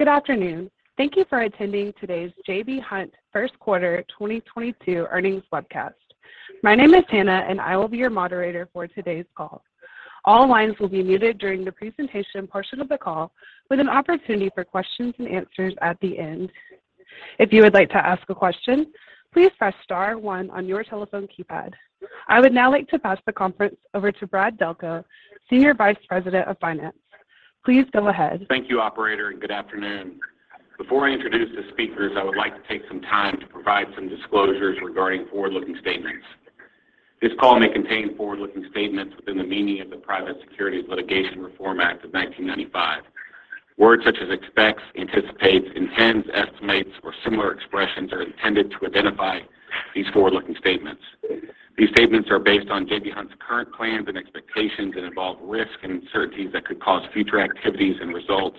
Good afternoon. Thank you for attending today's J.B. Hunt first quarter 2022 earnings webcast. My name is Hannah, and I will be your moderator for today's call. All lines will be muted during the presentation portion of the call, with an opportunity for questions and answers at the end. If you would like to ask a question, please press star one on your telephone keypad. I would now like to pass the conference over to Brad Delco, Senior Vice President of Finance. Please go ahead. Thank you, operator, and good afternoon. Before I introduce the speakers, I would like to take some time to provide some disclosures regarding forward-looking statements. This call may contain forward-looking statements within the meaning of the Private Securities Litigation Reform Act of 1995. Words such as expects, anticipates, intends, estimates, or similar expressions are intended to identify these forward-looking statements. These statements are based on J.B. Hunt's current plans and expectations and involve risks and uncertainties that could cause future activities and results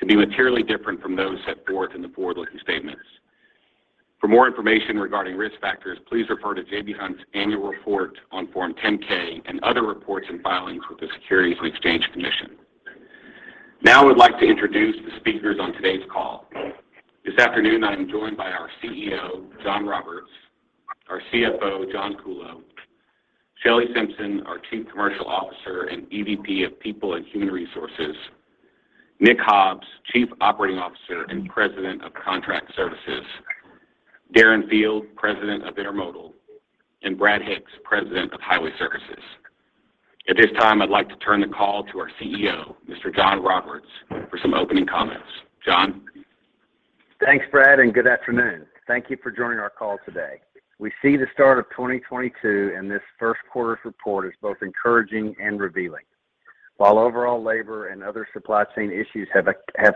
to be materially different from those set forth in the forward-looking statements. For more information regarding risk factors, please refer to J.B. Hunt's annual report on Form 10-K and other reports and filings with the Securities and Exchange Commission. Now, I would like to introduce the speakers on today's call. This afternoon, I am joined by our CEO, John Roberts, our CFO, John Kuhlow, Shelley Simpson, our Chief Commercial Officer and EVP of People and Human Resources, Nick Hobbs, Chief Operating Officer and President of Contract Services, Darren Field, President of Intermodal, and Brad Hicks, President of Highway Services. At this time, I'd like to turn the call to our CEO, Mr. John Roberts, for some opening comments. John? Thanks, Brad, and good afternoon. Thank you for joining our call today. We see the start of 2022, and this first quarter's report is both encouraging and revealing. While overall labor and other supply chain issues have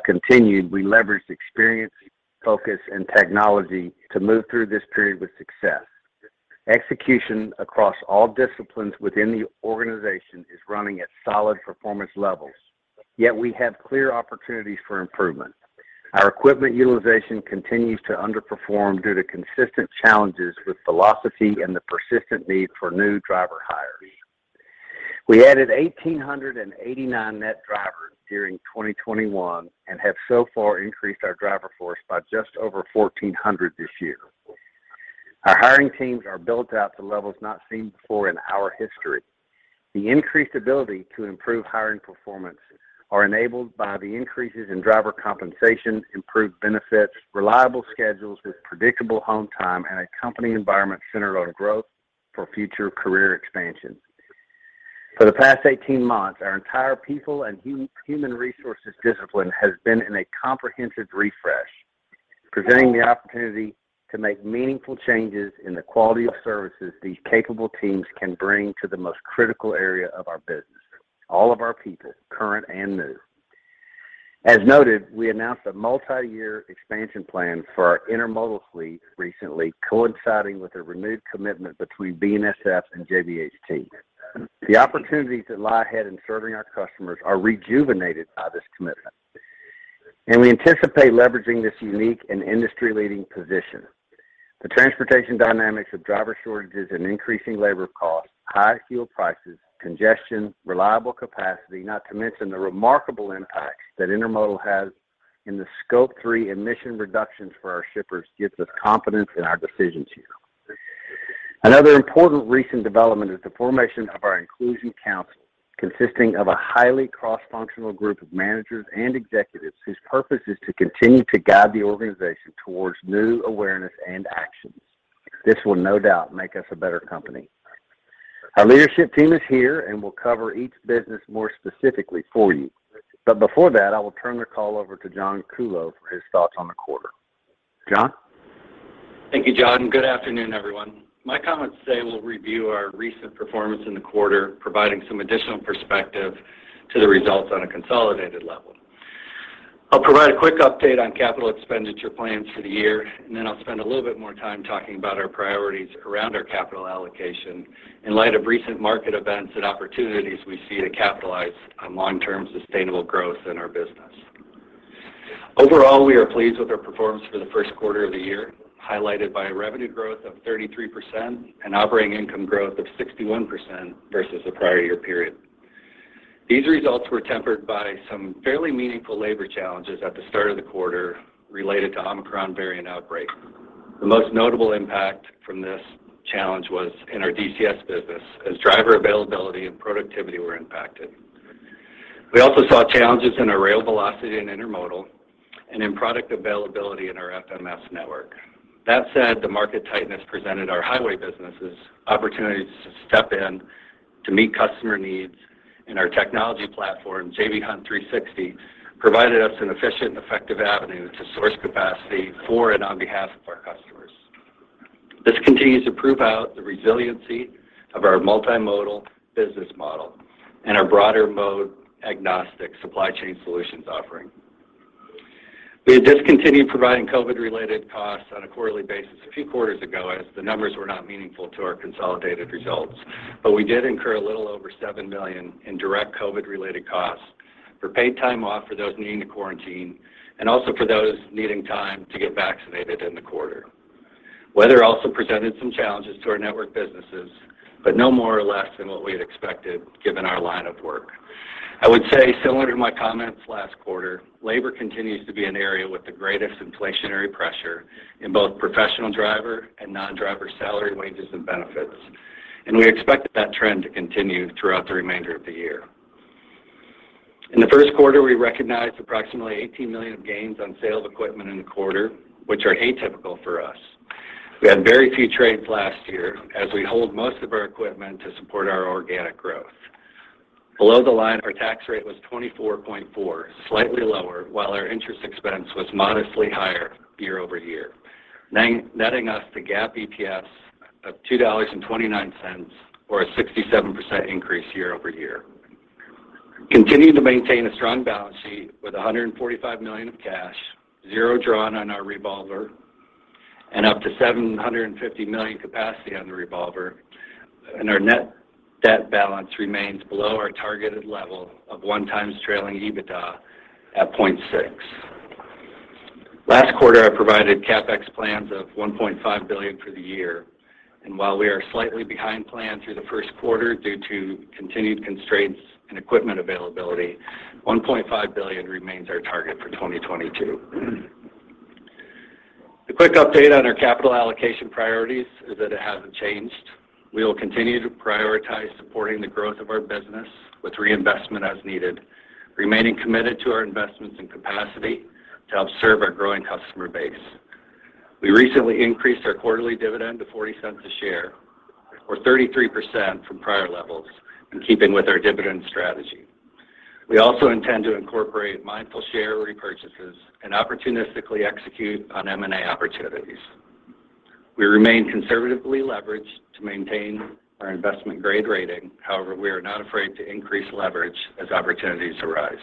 continued, we leveraged experience, focus, and technology to move through this period with success. Execution across all disciplines within the organization is running at solid performance levels, yet we have clear opportunities for improvement. Our equipment utilization continues to underperform due to consistent challenges with velocity and the persistent need for new driver hires. We added 1,889 net drivers during 2021 and have so far increased our driver force by just over 1,400 this year. Our hiring teams are built out to levels not seen before in our history. The increased ability to improve hiring performance are enabled by the increases in driver compensation, improved benefits, reliable schedules with predictable home time, and a company environment centered on growth for future career expansion. For the past eighteen months, our entire people and human resources discipline has been in a comprehensive refresh, presenting the opportunity to make meaningful changes in the quality of services these capable teams can bring to the most critical area of our business, all of our people, current and new. As noted, we announced a multi-year expansion plan for our intermodal fleet recently, coinciding with a renewed commitment between BNSF and JBHT. The opportunities that lie ahead in serving our customers are rejuvenated by this commitment, and we anticipate leveraging this unique and industry-leading position. The transportation dynamics of driver shortages and increasing labor costs, high fuel prices, congestion, reliable capacity, not to mention the remarkable impact that intermodal has in the Scope 3 emission reductions for our shippers gives us confidence in our decisions here. Another important recent development is the formation of our Inclusion Council, consisting of a highly cross-functional group of managers and executives whose purpose is to continue to guide the organization towards new awareness and actions. This will no doubt make us a better company. Our leadership team is here and will cover each business more specifically for you. Before that, I will turn the call over to John Kuhlow for his thoughts on the quarter. John? Thank you, John, and good afternoon, everyone. My comments today will review our recent performance in the quarter, providing some additional perspective to the results on a consolidated level. I'll provide a quick update on capital expenditure plans for the year, and then I'll spend a little bit more time talking about our priorities around our capital allocation in light of recent market events and opportunities we see to capitalize on long-term sustainable growth in our business. Overall, we are pleased with our performance for the first quarter of the year, highlighted by revenue growth of 33% and operating income growth of 61% versus the prior year period. These results were tempered by some fairly meaningful labor challenges at the start of the quarter related to Omicron variant outbreak. The most notable impact from this challenge was in our DCS business as driver availability and productivity were impacted. We also saw challenges in our rail velocity and intermodal and in product availability in our FMS network. That said, the market tightness presented our highway businesses opportunities to step in to meet customer needs, and our technology platform, J.B. Hunt 360, provided us an efficient and effective avenue to source capacity for and on behalf of our customers. This continues to prove out the resiliency of our multimodal business model and our broader mode-agnostic supply chain solutions offering. We had discontinued providing COVID-related costs on a quarterly basis a few quarters ago, as the numbers were not meaningful to our consolidated results. We did incur a little over $7 million in direct COVID-related costs for paid time off for those needing to quarantine and also for those needing time to get vaccinated in the quarter. Weather also presented some challenges to our network businesses, but no more or less than what we had expected given our line of work. I would say similar to my comments last quarter, labor continues to be an area with the greatest inflationary pressure in both professional driver and non-driver salary, wages, and benefits, and we expect that trend to continue throughout the remainder of the year. In the first quarter, we recognized approximately $18 million of gains on sale of equipment in the quarter, which are atypical for us. We had very few trades last year as we hold most of our equipment to support our organic growth. Below the line, our tax rate was 24.4%, slightly lower, while our interest expense was modestly higher year-over-year. Netting us to GAAP EPS of $2.29 or a 67% increase year-over-year. Continuing to maintain a strong balance sheet with $145 million of cash, zero drawn on our revolver and up to $750 million capacity on the revolver. Our net debt balance remains below our targeted level of 1x trailing EBITDA at 0.6. Last quarter, I provided CapEx plans of $1.5 billion for the year, and while we are slightly behind plan through the first quarter due to continued constraints in equipment availability, $1.5 billion remains our target for 2022. A quick update on our capital allocation priorities is that it hasn't changed. We will continue to prioritize supporting the growth of our business with reinvestment as needed, remaining committed to our investments in capacity to help serve our growing customer base. We recently increased our quarterly dividend to $0.40 a share or 33% from prior levels in keeping with our dividend strategy. We also intend to incorporate mindful share repurchases and opportunistically execute on M&A opportunities. We remain conservatively leveraged to maintain our investment-grade rating. However, we are not afraid to increase leverage as opportunities arise.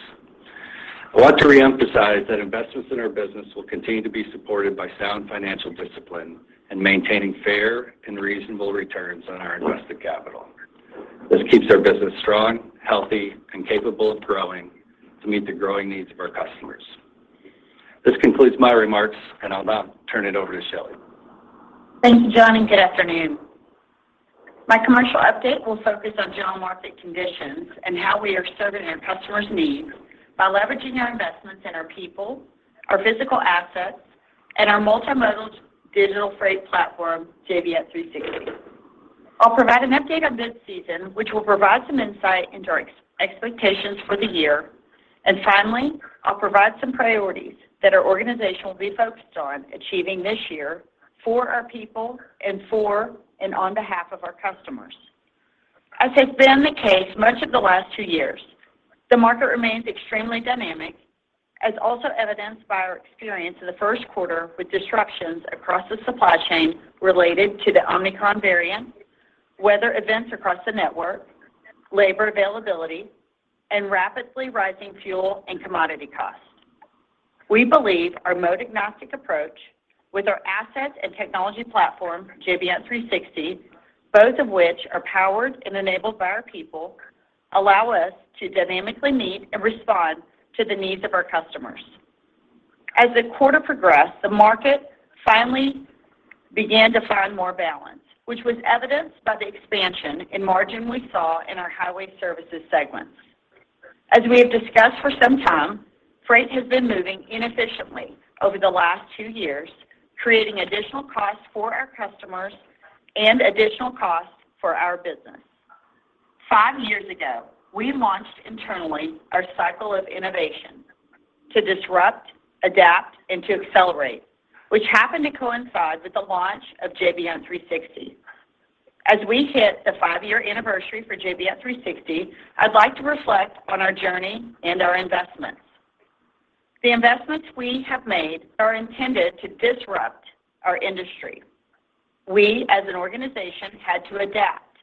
I want to reemphasize that investments in our business will continue to be supported by sound financial discipline and maintaining fair and reasonable returns on our invested capital. This keeps our business strong, healthy, and capable of growing to meet the growing needs of our customers. This concludes my remarks, and I'll now turn it over to Shelley. Thank you, John, and good afternoon. My commercial update will focus on general market conditions and how we are serving our customers' needs by leveraging our investments in our people, our physical assets, and our multimodal digital freight platform, J.B. Hunt 360. I'll provide an update on bid season, which will provide some insight into our expectations for the year. Finally, I'll provide some priorities that our organization will be focused on achieving this year for our people and on behalf of our customers. As has been the case much of the last two years, the market remains extremely dynamic, as also evidenced by our experience in the first quarter with disruptions across the supply chain related to the Omicron variant, weather events across the network, labor availability, and rapidly rising fuel and commodity costs. We believe our mode-agnostic approach with our assets and technology platform, J.B. Hunt 360, both of which are powered and enabled by our people, allow us to dynamically meet and respond to the needs of our customers. As the quarter progressed, the market finally began to find more balance, which was evidenced by the expansion in margin we saw in our Highway Services segments. As we have discussed for some time, freight has been moving inefficiently over the last two years, creating additional costs for our customers and additional costs for our business. Five years ago, we launched internally our cycle of innovation to disrupt, adapt, and to accelerate, which happened to coincide with the launch of J.B. Hunt 360. As we hit the five-year anniversary for J.B. Hunt 360, I'd like to reflect on our journey and our investments. The investments we have made are intended to disrupt our industry. We, as an organization, had to adapt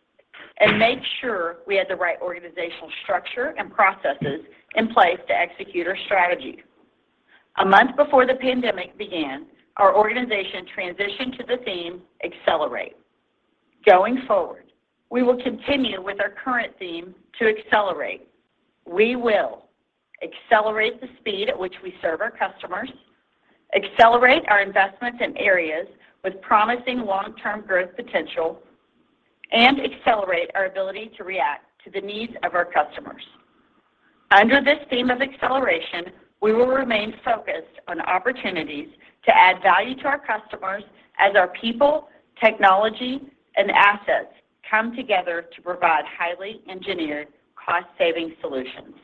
and make sure we had the right organizational structure and processes in place to execute our strategy. A month before the pandemic began, our organization transitioned to the theme Accelerate. Going forward, we will continue with our current theme to accelerate. We will accelerate the speed at which we serve our customers, accelerate our investments in areas with promising long-term growth potential, and accelerate our ability to react to the needs of our customers. Under this theme of acceleration, we will remain focused on opportunities to add value to our customers as our people, technology, and assets come together to provide highly engineered cost-saving solutions.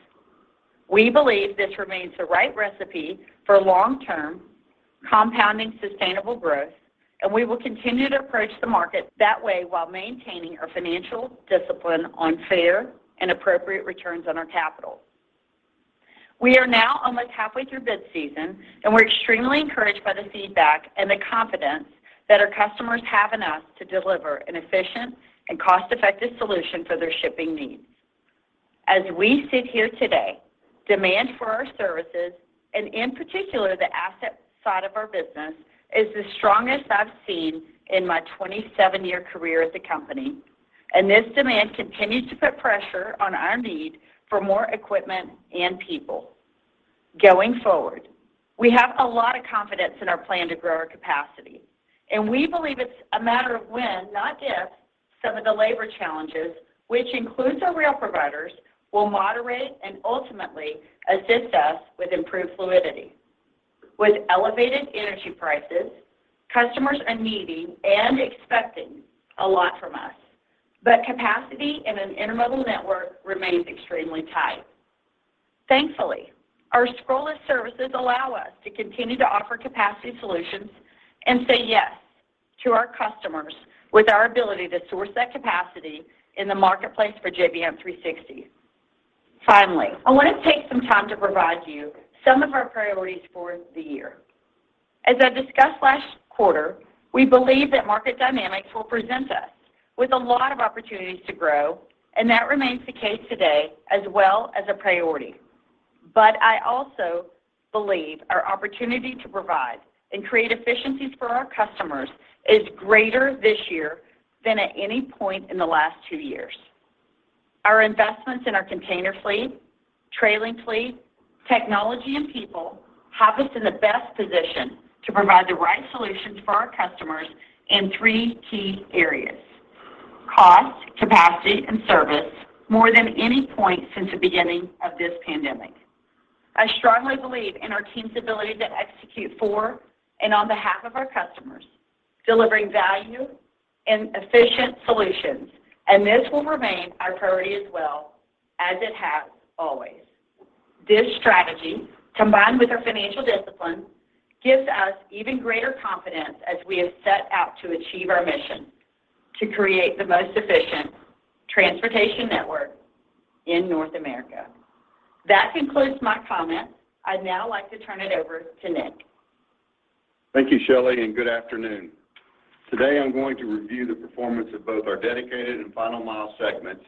We believe this remains the right recipe for long-term compounding sustainable growth, and we will continue to approach the market that way while maintaining our financial discipline on fair and appropriate returns on our capital. We are now almost halfway through bid season, and we're extremely encouraged by the feedback and the confidence that our customers have in us to deliver an efficient and cost-effective solution for their shipping needs. As we sit here today, demand for our services, and in particular, the asset side of our business, is the strongest I've seen in my 27-year career at the company, and this demand continues to put pressure on our need for more equipment and people. Going forward, we have a lot of confidence in our plan to grow our capacity, and we believe it's a matter of when, not if, some of the labor challenges, which includes our rail providers, will moderate and ultimately assist us with improved fluidity. With elevated energy prices, customers are needing and expecting a lot from us, but capacity in an intermodal network remains extremely tight. Thankfully, our brokerage services allow us to continue to offer capacity solutions and say yes to our customers with our ability to source that capacity in the marketplace for J.B. Hunt 360. Finally, I want to take some time to provide you some of our priorities for the year. As I discussed last quarter, we believe that market dynamics will present us with a lot of opportunities to grow, and that remains the case today as well as a priority. I also believe our opportunity to provide and create efficiencies for our customers is greater this year than at any point in the last two years. Our investments in our container fleet, trailer fleet, technology, and people have us in the best position to provide the right solutions for our customers in three key areas, cost, capacity, and service more than any point since the beginning of this pandemic. I strongly believe in our team's ability to execute for and on behalf of our customers, delivering value and efficient solutions, and this will remain our priority as well as it has always. This strategy, combined with our financial discipline, gives us even greater confidence as we have set out to achieve our mission to create the most efficient transportation network in North America. That concludes my comments. I'd now like to turn it over to Nick. Thank you, Shelley, and good afternoon. Today, I'm going to review the performance of both our Dedicated and Final Mile segments,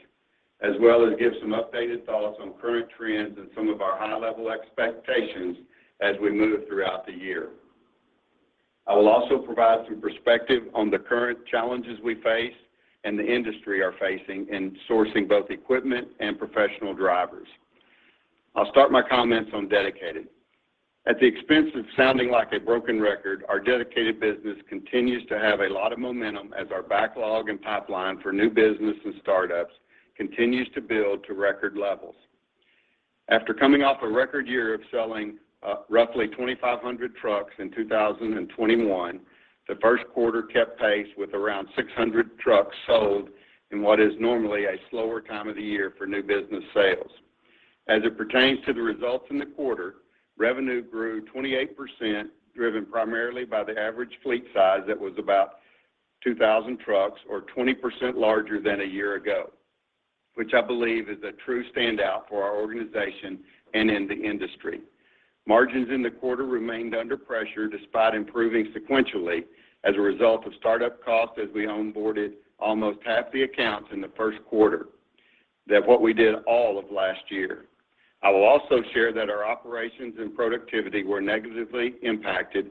as well as give some updated thoughts on current trends and some of our high-level expectations as we move throughout the year. I will also provide some perspective on the current challenges we face and the industry are facing in sourcing both equipment and professional drivers. I'll start my comments on Dedicated. At the expense of sounding like a broken record, our Dedicated business continues to have a lot of momentum as our backlog and pipeline for new business and startups continues to build to record levels. After coming off a record year of selling roughly 2,500 trucks in 2021, the first quarter kept pace with around 600 trucks sold in what is normally a slower time of the year for new business sales. As it pertains to the results in the quarter, revenue grew 28%, driven primarily by the average fleet size that was about 2,000 trucks or 20% larger than a year ago, which I believe is a true standout for our organization and in the industry. Margins in the quarter remained under pressure despite improving sequentially as a result of startup costs as we onboarded almost half the accounts in the first quarter than what we did all of last year. I will also share that our operations and productivity were negatively impacted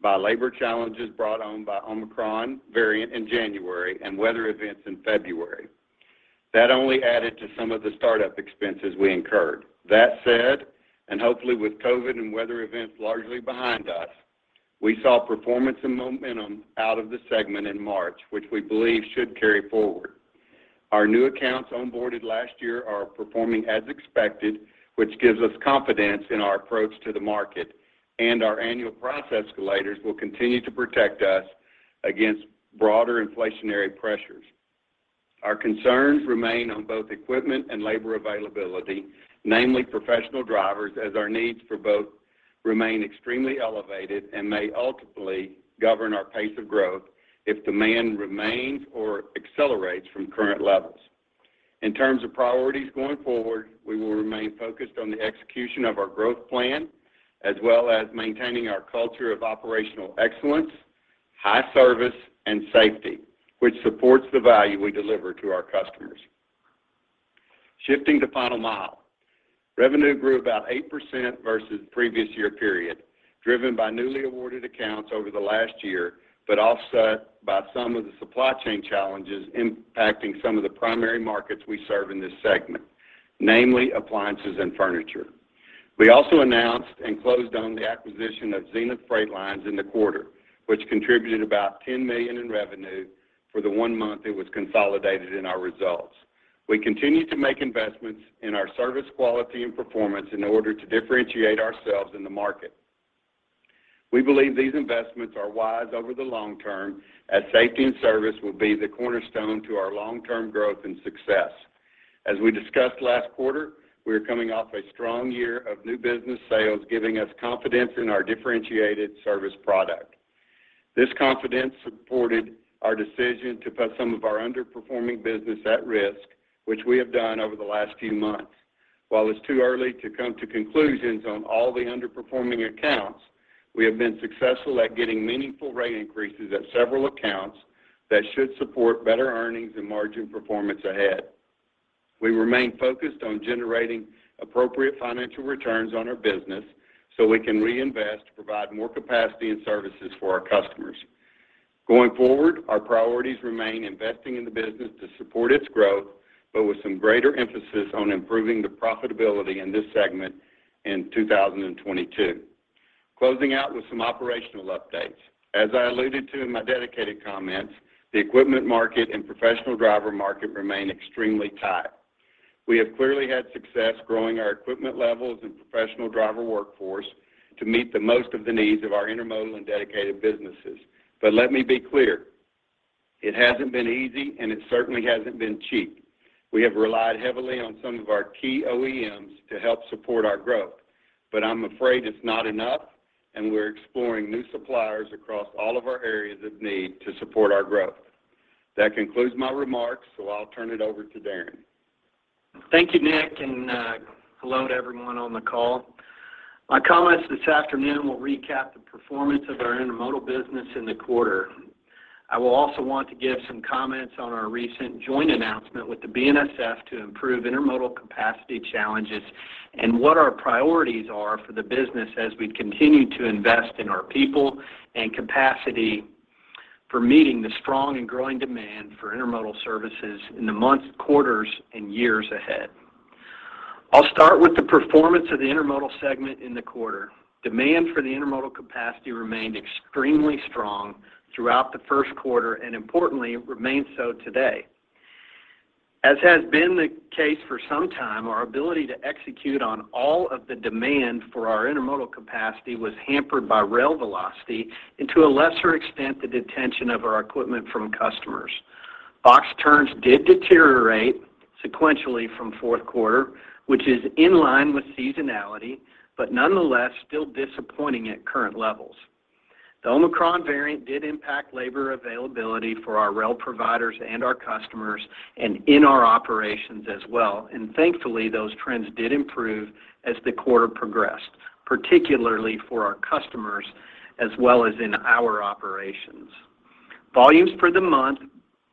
by labor challenges brought on by Omicron variant in January and weather events in February. That only added to some of the startup expenses we incurred. That said, and hopefully with COVID and weather events largely behind us, we saw performance and momentum out of the segment in March, which we believe should carry forward. Our new accounts onboarded last year are performing as expected, which gives us confidence in our approach to the market, and our annual price escalators will continue to protect us against broader inflationary pressures. Our concerns remain on both equipment and labor availability, namely professional drivers, as our needs for both remain extremely elevated and may ultimately govern our pace of growth if demand remains or accelerates from current levels. In terms of priorities going forward, we will remain focused on the execution of our growth plan as well as maintaining our culture of operational excellence, high service and safety, which supports the value we deliver to our customers. Shifting to Final Mile. Revenue grew about 8% versus the previous year period, driven by newly awarded accounts over the last year, but offset by some of the supply chain challenges impacting some of the primary markets we serve in this segment, namely appliances and furniture. We also announced and closed on the acquisition of Zenith Freight Lines in the quarter, which contributed about $10 million in revenue for the one month it was consolidated in our results. We continue to make investments in our service quality and performance in order to differentiate ourselves in the market. We believe these investments are wise over the long term as safety and service will be the cornerstone to our long-term growth and success. As we discussed last quarter, we are coming off a strong year of new business sales, giving us confidence in our differentiated service product. This confidence supported our decision to put some of our underperforming business at risk, which we have done over the last few months. While it's too early to come to conclusions on all the underperforming accounts, we have been successful at getting meaningful rate increases at several accounts that should support better earnings and margin performance ahead. We remain focused on generating appropriate financial returns on our business so we can reinvest to provide more capacity and services for our customers. Going forward, our priorities remain investing in the business to support its growth, but with some greater emphasis on improving the profitability in this segment in 2022. Closing out with some operational updates. As I alluded to in my dedicated comments, the equipment market and professional driver market remain extremely tight. We have clearly had success growing our equipment levels and professional driver workforce to meet most of the needs of our intermodal and dedicated businesses. Let me be clear, it hasn't been easy, and it certainly hasn't been cheap. We have relied heavily on some of our key OEMs to help support our growth, but I'm afraid it's not enough, and we're exploring new suppliers across all of our areas of need to support our growth. That concludes my remarks. I'll turn it over to Darren. Thank you, Nick, and hello to everyone on the call. My comments this afternoon will recap the performance of our intermodal business in the quarter. I will also want to give some comments on our recent joint announcement with the BNSF to improve intermodal capacity challenges and what our priorities are for the business as we continue to invest in our people and capacity for meeting the strong and growing demand for intermodal services in the months, quarters, and years ahead. I'll start with the performance of the intermodal segment in the quarter. Demand for the intermodal capacity remained extremely strong throughout the first quarter, and importantly, remains so today. As has been the case for some time, our ability to execute on all of the demand for our intermodal capacity was hampered by rail velocity and to a lesser extent, the detention of our equipment from customers. Box turns did deteriorate sequentially from fourth quarter, which is in line with seasonality, but nonetheless, still disappointing at current levels. The Omicron variant did impact labor availability for our rail providers and our customers and in our operations as well. Thankfully, those trends did improve as the quarter progressed, particularly for our customers as well as in our operations. Volumes for the month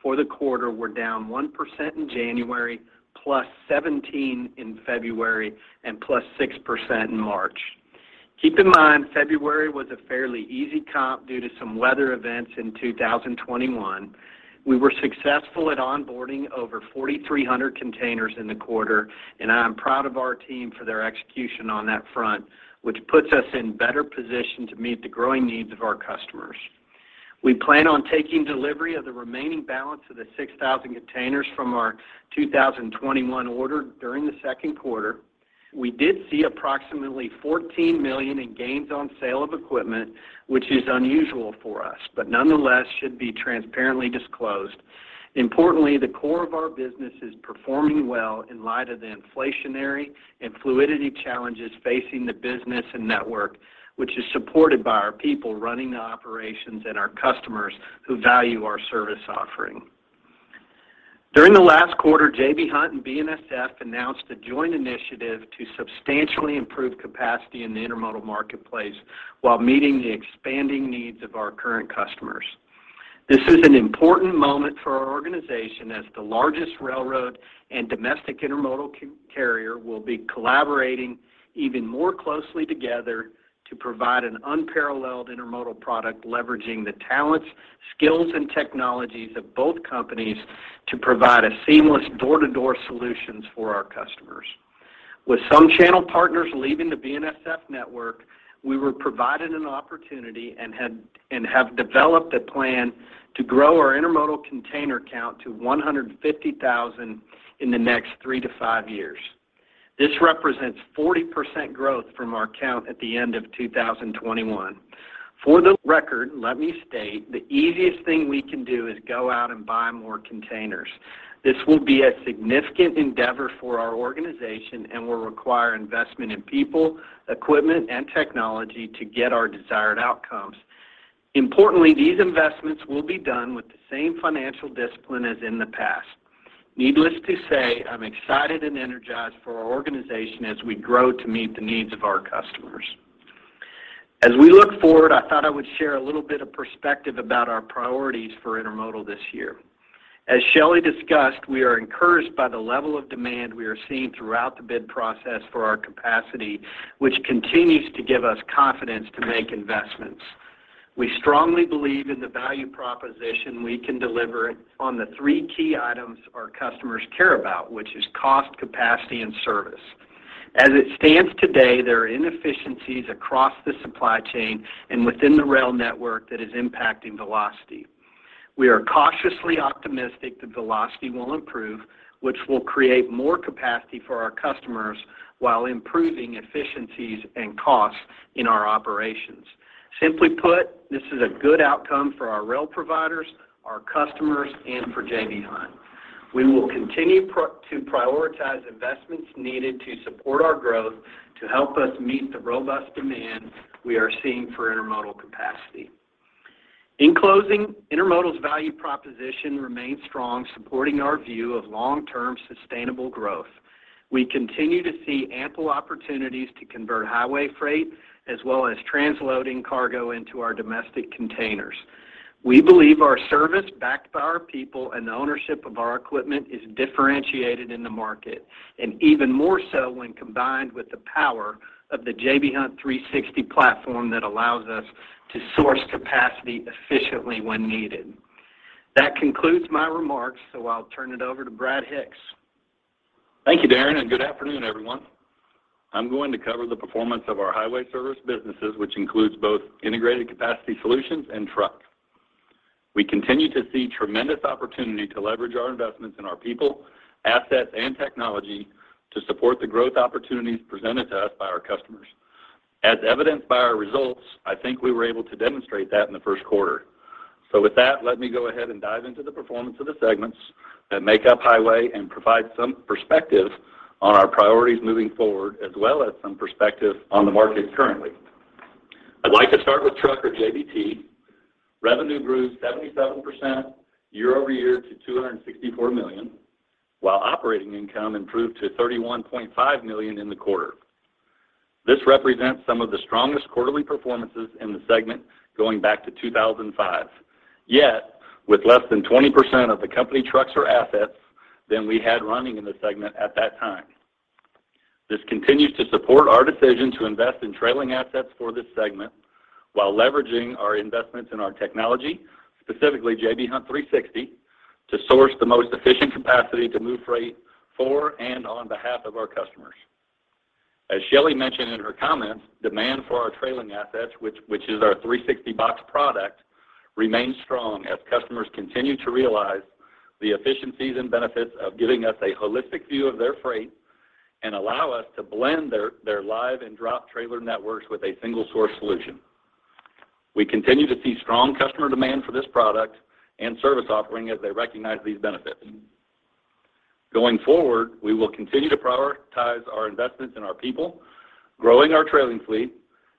for the quarter were down 1% in January, +17% in February, and +6% in March. Keep in mind, February was a fairly easy comp due to some weather events in 2021. We were successful at onboarding over 4,300 containers in the quarter, and I am proud of our team for their execution on that front, which puts us in better position to meet the growing needs of our customers. We plan on taking delivery of the remaining balance of the 6,000 containers from our 2021 order during the second quarter. We did see approximately $14 million in gains on sale of equipment, which is unusual for us, but nonetheless should be transparently disclosed. Importantly, the core of our business is performing well in light of the inflationary and fluidity challenges facing the business and network, which is supported by our people running the operations and our customers who value our service offering. During the last quarter, J.B. Hunt and BNSF announced a joint initiative to substantially improve capacity in the intermodal marketplace while meeting the expanding needs of our current customers. This is an important moment for our organization as the largest railroad and domestic intermodal carrier will be collaborating even more closely together to provide an unparalleled intermodal product leveraging the talents, skills, and technologies of both companies to provide a seamless door-to-door solutions for our customers. With some channel partners leaving the BNSF network, we were provided an opportunity and have developed a plan to grow our intermodal container count to 150,000 in the next three-five years. This represents 40% growth from our count at the end of 2021. For the record, let me state the easiest thing we can do is go out and buy more containers. This will be a significant endeavor for our organization and will require investment in people, equipment, and technology to get our desired outcomes. Importantly, these investments will be done with the same financial discipline as in the past. Needless to say, I'm excited and energized for our organization as we grow to meet the needs of our customers. As we look forward, I thought I would share a little bit of perspective about our priorities for intermodal this year. As Shelley discussed, we are encouraged by the level of demand we are seeing throughout the bid process for our capacity, which continues to give us confidence to make investments. We strongly believe in the value proposition we can deliver on the three key items our customers care about, which is cost, capacity, and service. As it stands today, there are inefficiencies across the supply chain and within the rail network that is impacting velocity. We are cautiously optimistic the velocity will improve, which will create more capacity for our customers while improving efficiencies and costs in our operations. Simply put, this is a good outcome for our rail providers, our customers, and for J.B. Hunt. We will continue to prioritize investments needed to support our growth to help us meet the robust demand we are seeing for intermodal capacity. In closing, intermodal's value proposition remains strong, supporting our view of long-term sustainable growth. We continue to see ample opportunities to convert highway freight as well as transloading cargo into our domestic containers. We believe our service backed by our people and the ownership of our equipment is differentiated in the market, and even more so when combined with the power of the J.B. Hunt 360 platform that allows us to source capacity efficiently when needed. That concludes my remarks, so I'll turn it over to Brad Hicks. Thank you, Darren, and good afternoon, everyone. I'm going to cover the performance of our Highway Services businesses, which includes both integrated capacity solutions and truck. We continue to see tremendous opportunity to leverage our investments in our people, assets, and technology to support the growth opportunities presented to us by our customers. As evidenced by our results, I think we were able to demonstrate that in the first quarter. With that, let me go ahead and dive into the performance of the segments that make up Highway and provide some perspective on our priorities moving forward, as well as some perspective on the market currently. I'd like to start with truck or JBT. Revenue grew 77% year-over-year to $264 million, while operating income improved to $31.5 million in the quarter. This represents some of the strongest quarterly performances in the segment going back to 2005. With less than 20% of the company trucks or assets than we had running in the segment at that time. This continues to support our decision to invest in trailer assets for this segment while leveraging our investments in our technology, specifically J.B. Hunt 360, to source the most efficient capacity to move freight for and on behalf of our customers. As Shelley mentioned in her comments, demand for our trailer assets, which is our 360box product, remains strong as customers continue to realize the efficiencies and benefits of giving us a holistic view of their freight and allow us to blend their live and drop trailer networks with a single source solution. We continue to see strong customer demand for this product and service offering as they recognize these benefits. Going forward, we will continue to prioritize our investments in our people, growing our trailer fleet,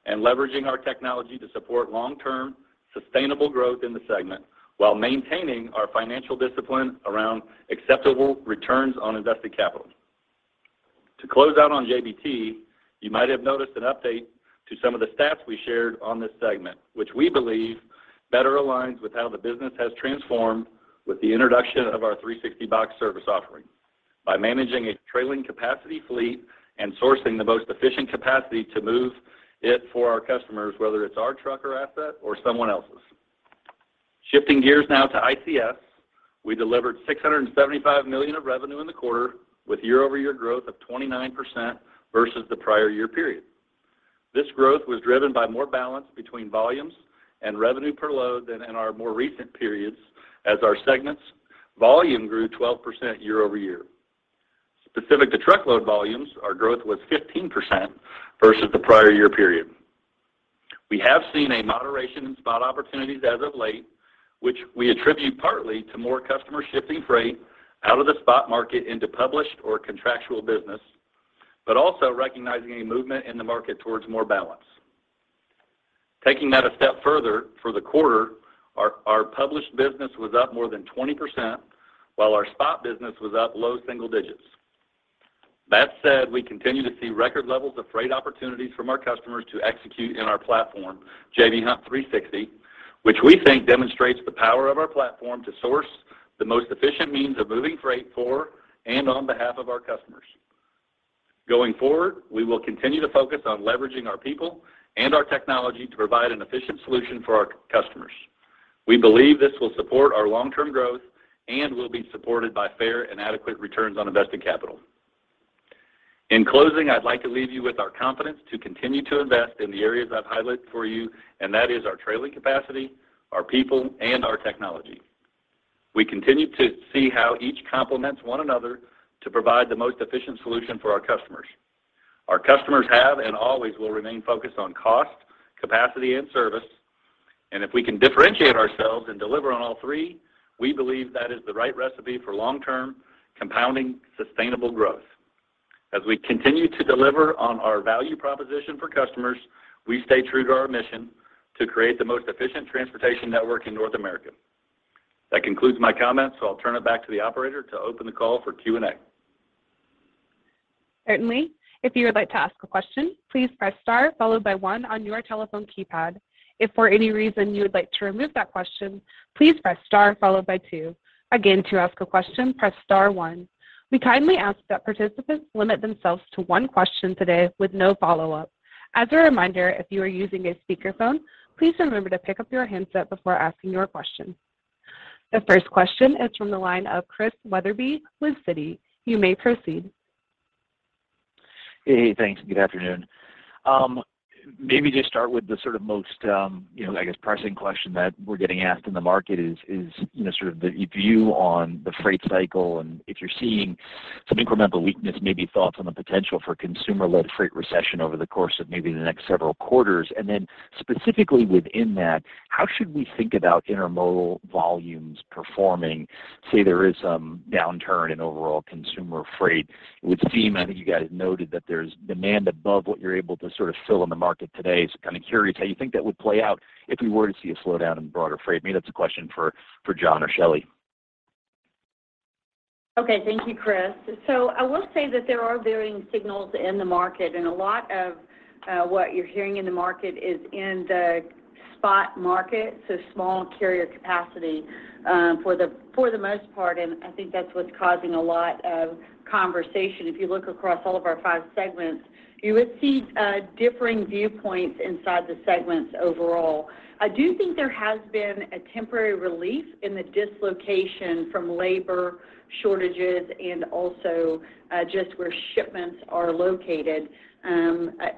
and leveraging our technology to support long-term sustainable growth in the segment while maintaining our financial discipline around acceptable returns on invested capital. To close out on JBT, you might have noticed an update to some of the stats we shared on this segment, which we believe better aligns with how the business has transformed with the introduction of our 360box service offering by managing a trailer capacity fleet and sourcing the most efficient capacity to move it for our customers, whether it's our truck or asset or someone else's. Shifting gears now to ICS. We delivered $675 million of revenue in the quarter with year-over-year growth of 29% versus the prior year period. This growth was driven by more balance between volumes and revenue per load than in our more recent periods as our segment's volume grew 12% year-over-year. Specific to truckload volumes, our growth was 15% versus the prior year period. We have seen a moderation in spot opportunities as of late, which we attribute partly to more customers shifting freight out of the spot market into published or contractual business, but also recognizing a movement in the market towards more balance. Taking that a step further, for the quarter, our published business was up more than 20%, while our spot business was up low single digits. That said, we continue to see record levels of freight opportunities from our customers to execute in our platform, J.B. Hunt 360°, which we think demonstrates the power of our platform to source the most efficient means of moving freight for and on behalf of our customers. Going forward, we will continue to focus on leveraging our people and our technology to provide an efficient solution for our customers. We believe this will support our long-term growth and will be supported by fair and adequate returns on invested capital. In closing, I'd like to leave you with our confidence to continue to invest in the areas I've highlighted for you, and that is our trailer capacity, our people, and our technology. We continue to see how each complements one another to provide the most efficient solution for our customers. Our customers have and always will remain focused on cost, capacity, and service. If we can differentiate ourselves and deliver on all three, we believe that is the right recipe for long-term compounding sustainable growth. As we continue to deliver on our value proposition for customers, we stay true to our mission to create the most efficient transportation network in North America. That concludes my comments, so I'll turn it back to the operator to open the call for Q&A. Certainly. If you would like to ask a question, please press star followed by one on your telephone keypad. If for any reason you would like to remove that question, please press star followed by two. Again, to ask a question, press star one. We kindly ask that participants limit themselves to one question today with no follow-up. As a reminder, if you are using a speakerphone, please remember to pick up your handset before asking your question. The first question is from the line of Christian Wetherbee with Citi. You may proceed. Hey, thanks. Good afternoon. Maybe just start with the sort of most, you know, I guess, pressing question that we're getting asked in the market is the view on the freight cycle and if you're seeing some incremental weakness, maybe thoughts on the potential for consumer-led freight recession over the course of the next several quarters. Then specifically within that, how should we think about intermodal volumes performing? Say, there is some downturn in overall consumer freight, which seem I think you guys have noted that there's demand above what you're able to sort of fill in the market today. So kind of curious how you think that would play out if we were to see a slowdown in broader freight. Maybe that's a question for John or Shelley. Okay. Thank you, Christian. I will say that there are varying signals in the market, and a lot of what you're hearing in the market is in the Spot market, so small carrier capacity, for the most part, and I think that's what's causing a lot of conversation. If you look across all of our five segments, you would see differing viewpoints inside the segments overall. I do think there has been a temporary relief in the dislocation from labor shortages and also just where shipments are located.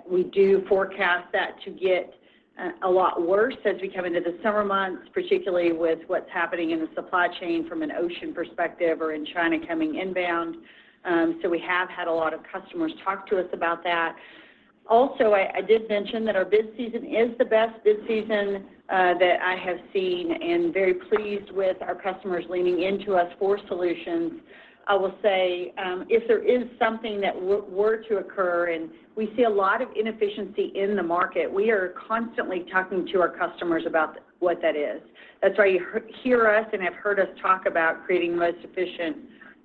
We do forecast that to get a lot worse as we come into the summer months, particularly with what's happening in the supply chain from an ocean perspective or in China coming inbound. We have had a lot of customers talk to us about that. Also, I did mention that our bid season is the best bid season that I have seen and very pleased with our customers leaning into us for solutions. I will say, if there is something that were to occur, and we see a lot of inefficiency in the market, we are constantly talking to our customers about what that is. That's why you hear us and have heard us talk about creating the most efficient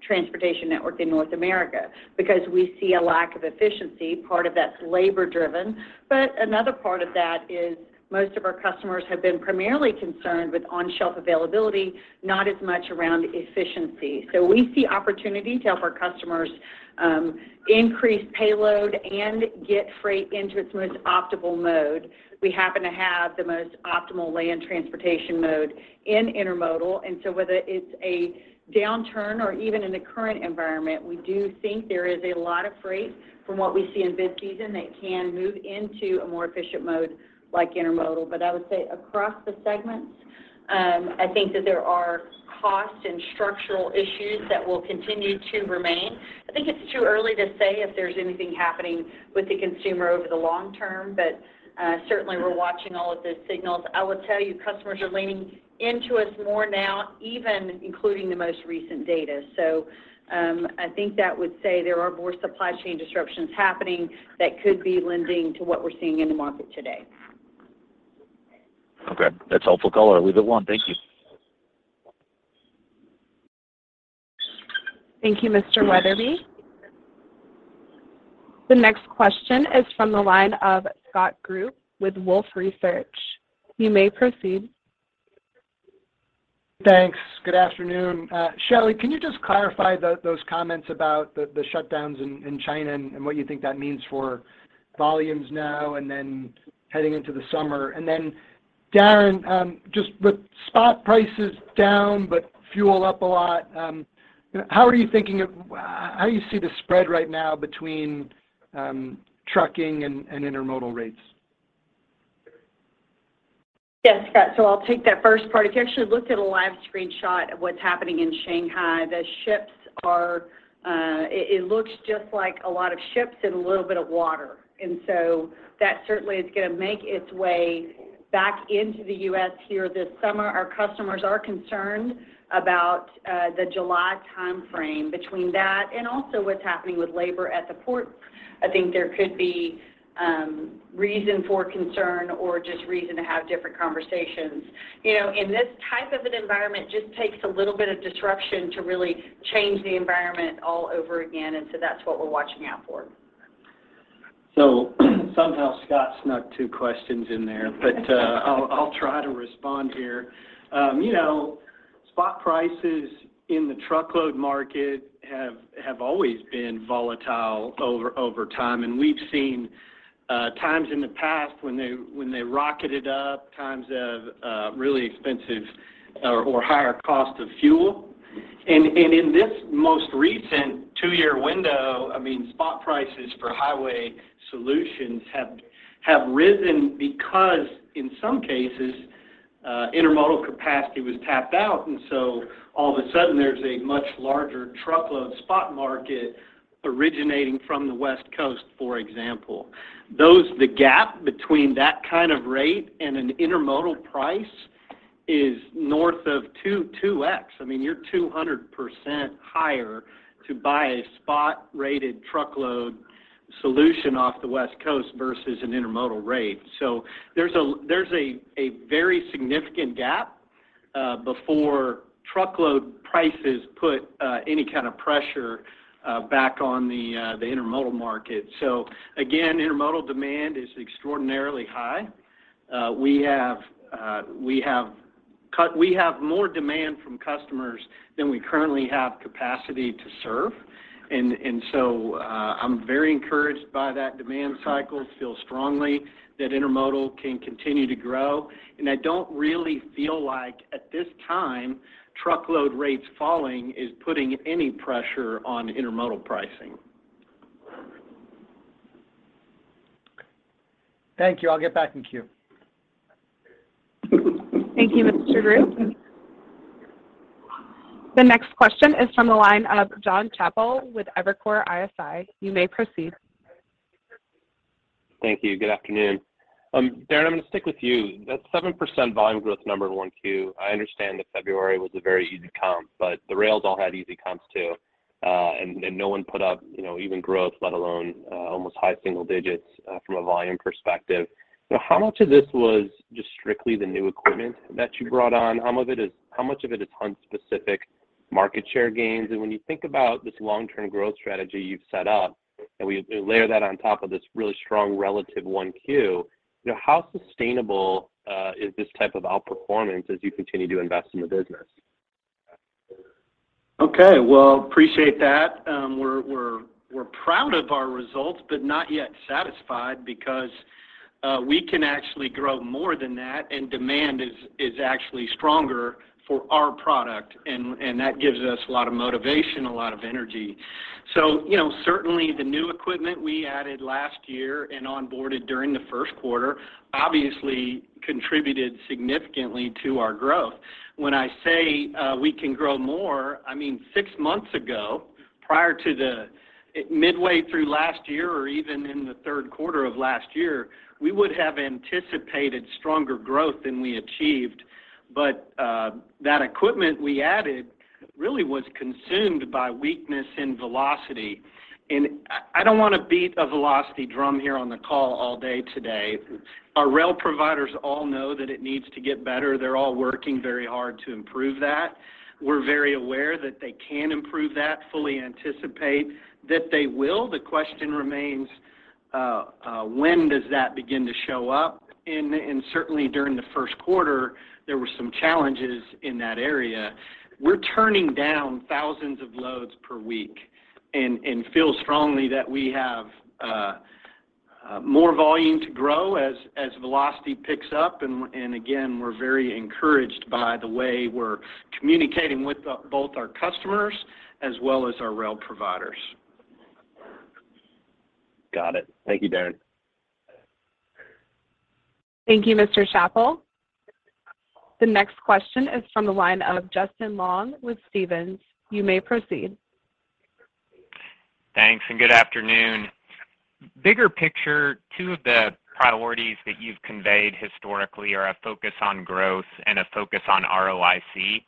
transportation network in North America, because we see a lack of efficiency. Part of that's labor-driven, but another part of that is most of our customers have been primarily concerned with on-shelf availability, not as much around efficiency. We see opportunity to help our customers, increase payload and get freight into its most optimal mode. We happen to have the most optimal land transportation mode in intermodal, and so whether it's a downturn or even in the current environment, we do think there is a lot of freight from what we see in bid season that can move into a more efficient mode like intermodal. I would say across the segments, I think that there are cost and structural issues that will continue to remain. I think it's too early to say if there's anything happening with the consumer over the long term, but certainly we're watching all of the signals. I will tell you, customers are leaning into us more now, even including the most recent data. I think that would say there are more supply chain disruptions happening that could be lending to what we're seeing in the market today. Okay. That's helpful color. I'll leave it one. Thank you. Thank you, Mr. Wetherbee. The next question is from the line of Scott Group with Wolfe Research. You may proceed. Thanks. Good afternoon. Shelley, can you just clarify those comments about the shutdowns in China and what you think that means for volumes now and then heading into the summer? Darren, just with spot prices down but fuel up a lot, how do you see the spread right now between trucking and intermodal rates? Yes, Scott. I'll take that first part. If you actually looked at a live screenshot of what's happening in Shanghai, it looks just like a lot of ships and a little bit of water. That certainly is gonna make its way back into the U.S. here this summer. Our customers are concerned about the July timeframe. Between that and also what's happening with labor at the ports, I think there could be reason for concern or just reason to have different conversations. You know, in this type of an environment, just takes a little bit of disruption to really change the environment all over again, and so that's what we're watching out for. Somehow Scott snuck two questions in there, but I'll try to respond here. You know, spot prices in the truckload market have always been volatile over time, and we've seen times in the past when they rocketed up, times of really expensive or higher cost of fuel. In this most recent two-year window, I mean, spot prices for highway solutions have risen because in some cases intermodal capacity was tapped out, and so all of a sudden there's a much larger truckload spot market originating from the West Coast, for example. The gap between that kind of rate and an intermodal price is north of 2x. I mean, you're 200% higher to buy a spot-rated truckload solution off the West Coast versus an intermodal rate. There's a very significant gap before truckload prices put any kind of pressure back on the intermodal market. Again, intermodal demand is extraordinarily high. We have more demand from customers than we currently have capacity to serve, and I'm very encouraged by that demand cycle. I feel strongly that intermodal can continue to grow, and I don't really feel like, at this time, truckload rates falling is putting any pressure on intermodal pricing. Thank you. I'll get back in queue. Thank you, Mr. Group. The next question is from the line of Jon Chappell with Evercore ISI. You may proceed. Thank you. Good afternoon. Darren, I'm gonna stick with you. That 7% volume growth number in 1Q, I understand that February was a very easy comp, but the rails all had easy comps too, and no one put up, you know, even growth, let alone almost high single digits from a volume perspective. How much of this was just strictly the new equipment that you brought on? How much of it is Hunt specific? Market share gains. When you think about this long-term growth strategy you've set up and we layer that on top of this really strong relative 1Q, you know, how sustainable is this type of outperformance as you continue to invest in the business? Okay. I appreciate that. We're proud of our results, but not yet satisfied because we can actually grow more than that, and demand is actually stronger for our product, and that gives us a lot of motivation, a lot of energy. You know, certainly the new equipment we added last year and onboarded during the first quarter obviously contributed significantly to our growth. When I say we can grow more, I mean, six months ago, midway through last year or even in the third quarter of last year, we would have anticipated stronger growth than we achieved. That equipment we added really was consumed by weakness in velocity. I don't wanna beat a velocity drum here on the call all day today. Our rail providers all know that it needs to get better. They're all working very hard to improve that. We're very aware that they can improve that, fully anticipate that they will. The question remains, when does that begin to show up? Certainly during the first quarter, there were some challenges in that area. We're turning down thousands of loads per week and feel strongly that we have more volume to grow as velocity picks up. Again, we're very encouraged by the way we're communicating with both our customers as well as our rail providers. Got it. Thank you, Darren. Thank you, Mr. Chappell. The next question is from the line of Justin Long with Stephens. You may proceed. Thanks, and good afternoon. Bigger picture, two of the priorities that you've conveyed historically are a focus on growth and a focus on ROIC.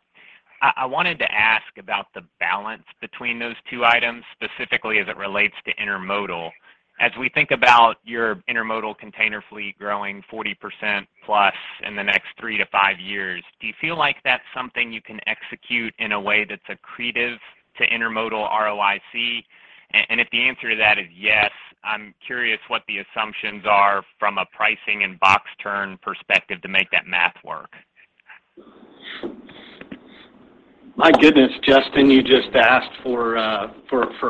I wanted to ask about the balance between those two items, specifically as it relates to intermodal. As we think about your intermodal container fleet growing 40%+ in the next three-five years, do you feel like that's something you can execute in a way that's accretive to intermodal ROIC? If the answer to that is yes, I'm curious what the assumptions are from a pricing and box turn perspective to make that math work. My goodness, Justin, you just asked for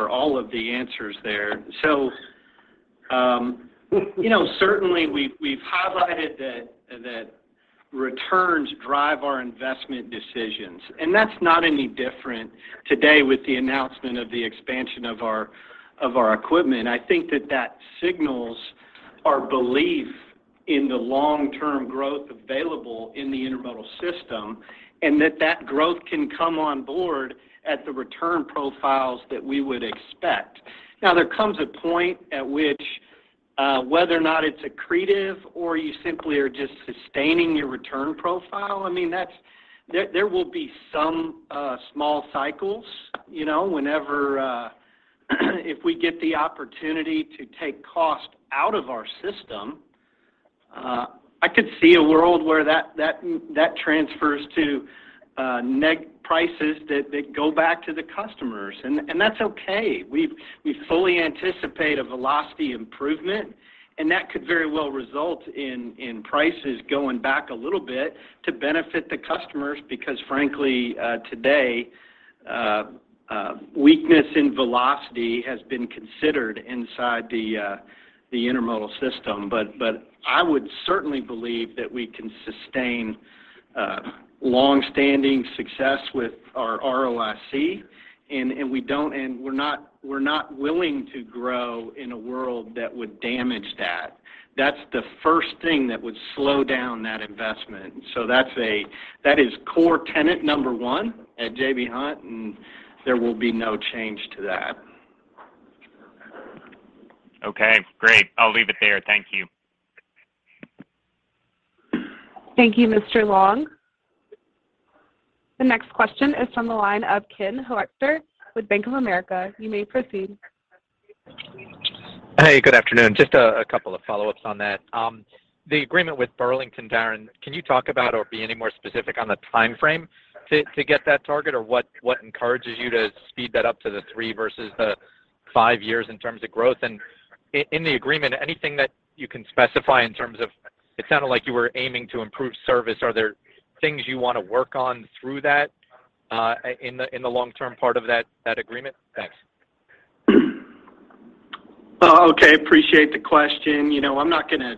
all of the answers there. You know, certainly we've highlighted that returns drive our investment decisions, and that's not any different today with the announcement of the expansion of our equipment. I think that signals our belief in the long-term growth available in the intermodal system, and that growth can come on board at the return profiles that we would expect. Now, there comes a point at which whether or not it's accretive or you simply are just sustaining your return profile. I mean, there will be some small cycles, you know, whenever if we get the opportunity to take cost out of our system. I could see a world where that transfers to neg prices that go back to the customers, and that's okay. We fully anticipate a velocity improvement, and that could very well result in prices going back a little bit to benefit the customers because frankly, weakness in velocity has been considered inside the intermodal system. I would certainly believe that we can sustain longstanding success with our ROIC and we're not willing to grow in a world that would damage that. That's the first thing that would slow down that investment. That is core tenet number one at J.B. Hunt, and there will be no change to that. Okay, great. I'll leave it there. Thank you. Thank you, Mr. Long. The next question is from the line of Ken Hoexter with Bank of America. You may proceed. Hey, good afternoon. Just a couple of follow-ups on that. The agreement with BNSF, Darren, can you talk about or be any more specific on the timeframe to get that target or what encourages you to speed that up to the three versus the five years in terms of growth? In the agreement, anything that you can specify in terms of. It sounded like you were aiming to improve service. Are there things you wanna work on through that, in the long-term part of that agreement? Thanks. Okay. Appreciate the question. You know, I'm not gonna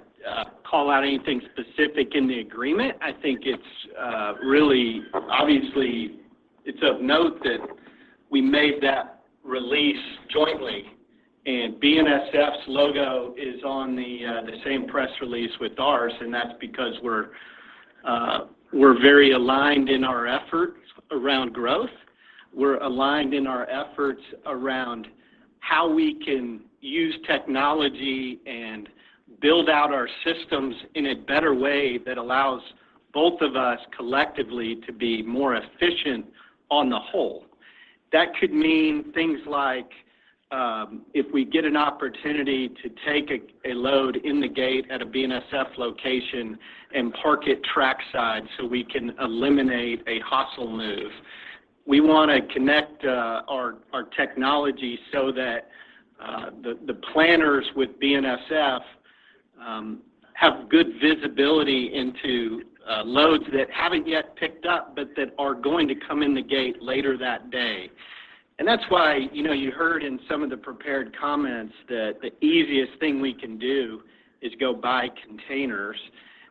call out anything specific in the agreement. I think it's really, obviously it's of note that we made that release jointly, and BNSF's logo is on the same press release with ours, and that's because we're very aligned in our efforts around growth. We're aligned in our efforts around how we can use technology and build out our systems in a better way that allows both of us collectively to be more efficient on the whole. That could mean things like, if we get an opportunity to take a load in the gate at a BNSF location and park it track side so we can eliminate a hostile move. We wanna connect our technology so that the planners with BNSF have good visibility into loads that haven't yet picked up, but that are going to come in the gate later that day. That's why, you know, you heard in some of the prepared comments that the easiest thing we can do is go buy containers,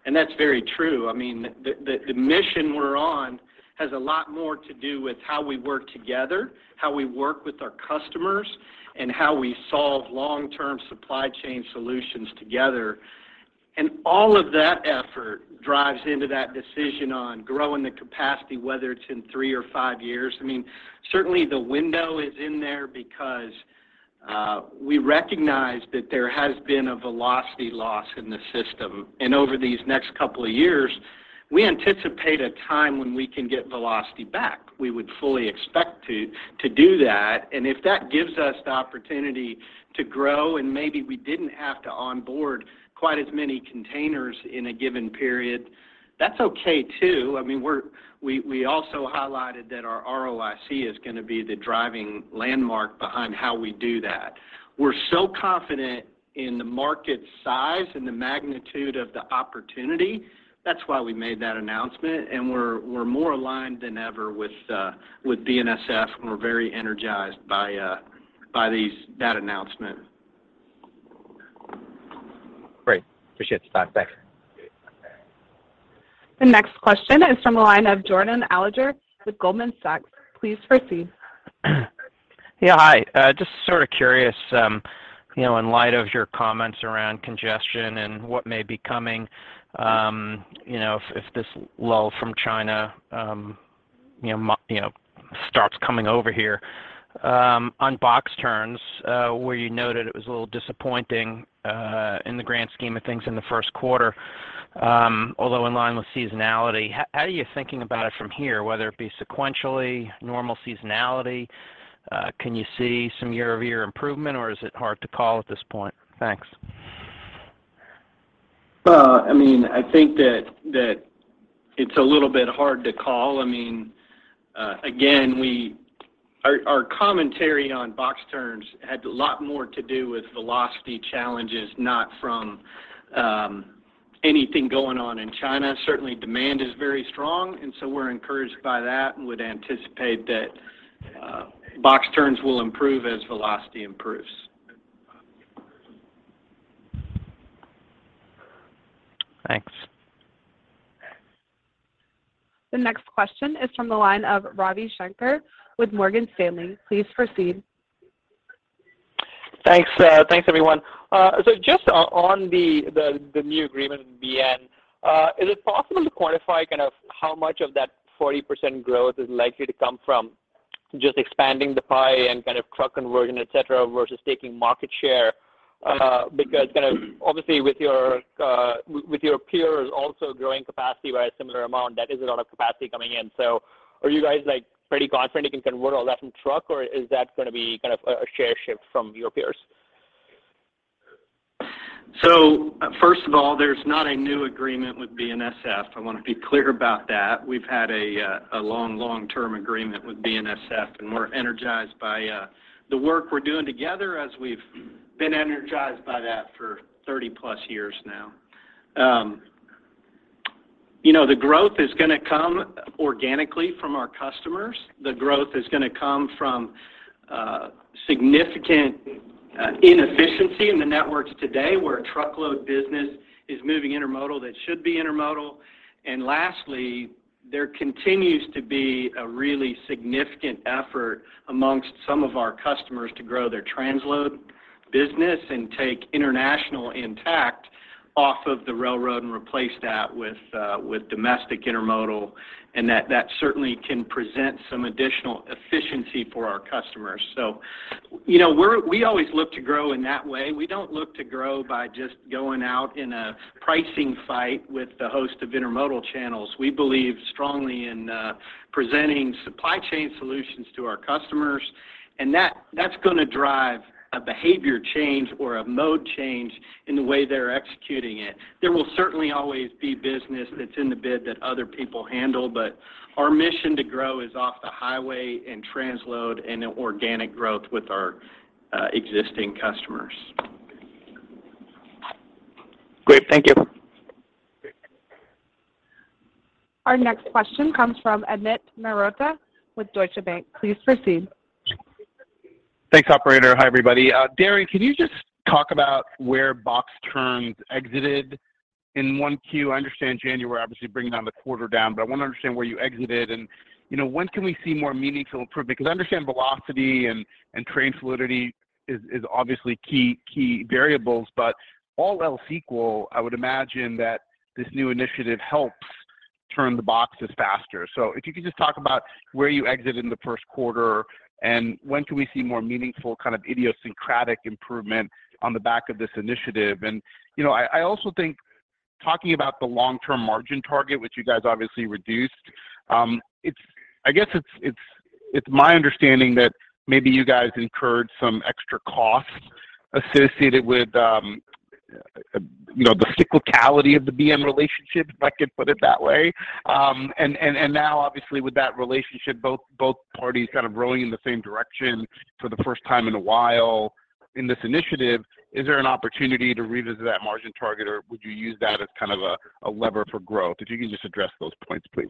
and that's very true. I mean, the mission we're on has a lot more to do with how we work together, how we work with our customers, and how we solve long-term supply chain solutions together. All of that effort drives into that decision on growing the capacity, whether it's in three or five years. I mean, certainly the window is in there because we recognize that there has been a velocity loss in the system. Over these next couple of years, we anticipate a time when we can get velocity back. We would fully expect to do that. If that gives us the opportunity to grow and maybe we didn't have to onboard quite as many containers in a given period, that's okay too. I mean, we also highlighted that our ROIC is gonna be the driving landmark behind how we do that. We're so confident in the market size and the magnitude of the opportunity, that's why we made that announcement, and we're more aligned than ever with BNSF. We're very energized by that announcement. Great. Appreciate the time. Thanks. The next question is from the line of Jordan Alliger with Goldman Sachs. Please proceed. Yeah. Hi. Just sort of curious, you know, in light of your comments around congestion and what may be coming, you know, if this lull from China, you know, starts coming over here. On box turns, where you noted it was a little disappointing, in the grand scheme of things in the first quarter, although in line with seasonality, how are you thinking about it from here, whether it be sequentially, normal seasonality? Can you see some year-over-year improvement, or is it hard to call at this point? Thanks. I mean, I think that it's a little bit hard to call. I mean, again, our commentary on box turns had a lot more to do with velocity challenges, not from anything going on in China. Certainly, demand is very strong, and so we're encouraged by that and would anticipate that box turns will improve as velocity improves. Thanks. The next question is from the line of Ravi Shanker with Morgan Stanley. Please proceed. Thanks. Thanks everyone. Just on the new agreement with BN, is it possible to quantify kind of how much of that 40% growth is likely to come from just expanding the pie and kind of truck conversion, et cetera, versus taking market share? Because kind of obviously with your peers also growing capacity by a similar amount, that is a lot of capacity coming in. Are you guys like pretty confident you can convert all that from truck or is that gonna be kind of a share shift from your peers? First of all, there's not a new agreement with BNSF. I wanna be clear about that. We've had a long-term agreement with BNSF, and we're energized by the work we're doing together as we've been energized by that for 30+ years now. You know, the growth is gonna come organically from our customers. The growth is gonna come from significant inefficiency in the networks today, where a truckload business is moving intermodal that should be intermodal. Lastly, there continues to be a really significant effort among some of our customers to grow their transloading business and take international intact off of the railroad and replace that with domestic intermodal, and that certainly can present some additional efficiency for our customers. You know, we always look to grow in that way. We don't look to grow by just going out in a pricing fight with the host of intermodal channels. We believe strongly in presenting supply chain solutions to our customers, and that's gonna drive a behavior change or a mode change in the way they're executing it. There will certainly always be business that's in the bid that other people handle, but our mission to grow is off the highway and transloading and in organic growth with our existing customers. Great. Thank you. Our next question comes from Amit Mehrotra with Deutsche Bank. Please proceed. Thanks, operator. Hi, everybody. Darren, can you just talk about where box turns exited in 1Q? I understand January obviously bringing the quarter down, but I wanna understand where you exited and, you know, when can we see more meaningful improvement? 'Cause I understand velocity and train solidity is obviously key variables, but all else equal, I would imagine that this new initiative helps turn the boxes faster. If you could just talk about where you exited in the first quarter, and when can we see more meaningful kind of idiosyncratic improvement on the back of this initiative? You know, I also think talking about the long-term margin target, which you guys obviously reduced, it's my understanding that maybe you guys incurred some extra costs associated with, you know, the cyclicality of the BNSF relationship, if I could put it that way. Now obviously with that relationship, both parties kind of rowing in the same direction for the first time in a while in this initiative, is there an opportunity to revisit that margin target, or would you use that as kind of a lever for growth? If you can just address those points, please.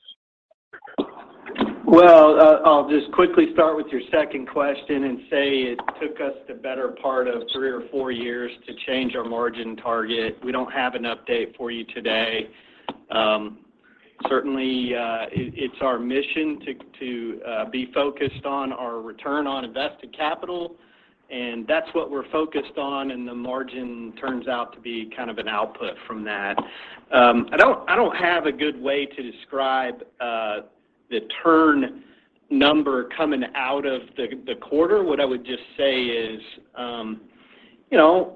Well, I'll just quickly start with your second question and say it took us the better part of three or four years to change our margin target. We don't have an update for you today. Certainly, it's our mission to be focused on our return on invested capital, and that's what we're focused on, and the margin turns out to be kind of an output from that. I don't have a good way to describe the turn number coming out of the quarter. What I would just say is, you know,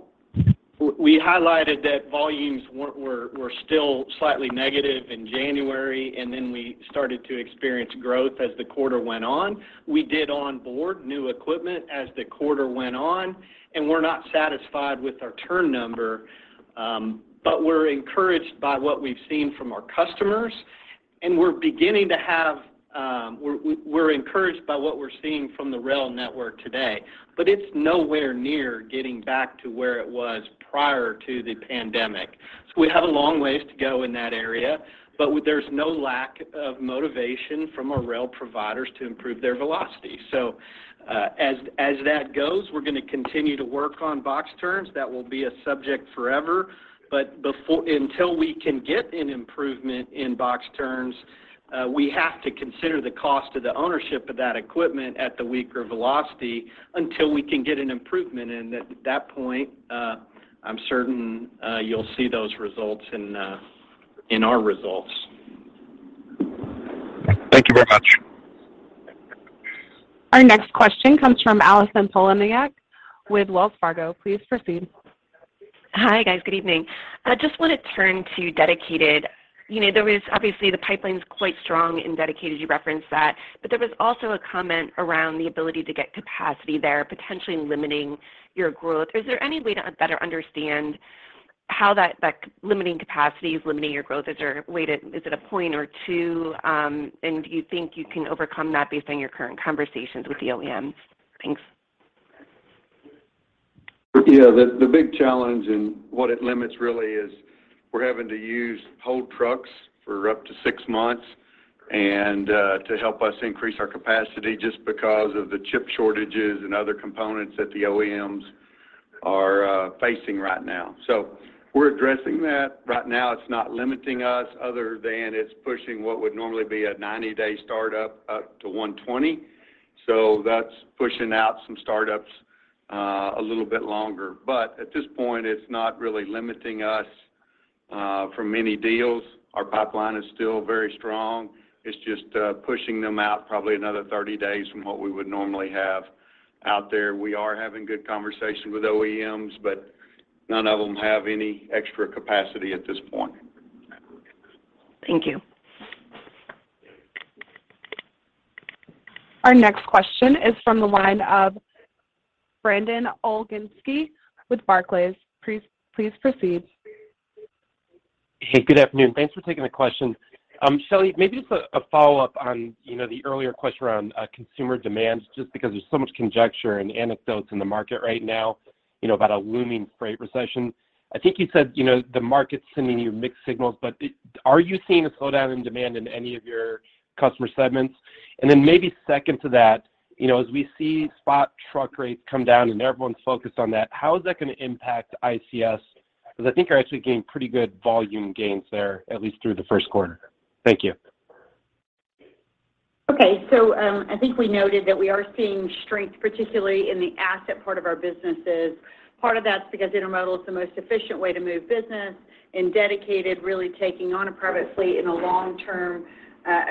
we highlighted that volumes were still slightly negative in January, and then we started to experience growth as the quarter went on. We did onboard new equipment as the quarter went on, and we're not satisfied with our turn number. We're encouraged by what we've seen from our customers. We're encouraged by what we're seeing from the rail network today, but it's nowhere near getting back to where it was prior to the pandemic. We have a long ways to go in that area, but there's no lack of motivation from our rail providers to improve their velocity. As that goes, we're gonna continue to work on box turns. That will be a subject forever. Until we can get an improvement in box turns, we have to consider the cost of the ownership of that equipment at the weaker velocity until we can get an improvement. At that point, I'm certain you'll see those results in our results. Thank you very much. Our next question comes from Allison Poliniak with Wells Fargo. Please proceed. Hi, guys. Good evening. I just want to turn to dedicated. You know, there was obviously the pipeline's quite strong in dedicated, you referenced that, but there was also a comment around the ability to get capacity there, potentially limiting your growth. Is there any way to better understand how that limiting capacity is limiting your growth? Is it a point or two, and do you think you can overcome that based on your current conversations with the OEMs? Thanks. Yeah. The big challenge and what it limits really is we're having to use whole trucks for up to six months and to help us increase our capacity just because of the chip shortages and other components that the OEMs are facing right now. We're addressing that. Right now, it's not limiting us other than it's pushing what would normally be a 90-day start up to 120. That's pushing out some startups a little bit longer. At this point, it's not really limiting us from any deals. Our pipeline is still very strong. It's just pushing them out probably another 30 days from what we would normally have out there. We are having good conversations with OEMs, but none of them have any extra capacity at this point. Thank you. Our next question is from the line of Brandon Oglenski with Barclays. Please proceed. Hey, good afternoon. Thanks for taking the question. Shelley, maybe just a follow-up on, you know, the earlier question around consumer demand, just because there's so much conjecture and anecdotes in the market right now, you know, about a looming freight recession. I think you said, you know, the market's sending you mixed signals. Are you seeing a slowdown in demand in any of your customer segments? And then maybe second to that, you know, as we see spot truck rates come down and everyone's focused on that, how is that gonna impact ICS? Because I think you're actually gaining pretty good volume gains there, at least through the first quarter. Thank you. Okay. I think we noted that we are seeing strength, particularly in the asset part of our businesses. Part of that's because intermodal is the most efficient way to move business, and dedicated really taking on a private fleet in a long-term